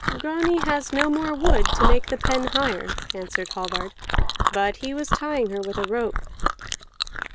"Grani has no more wood to make the pen higher," answered Hallvard, "but he was tying her with a rope."